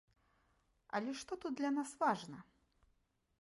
Але што тут для нас важна?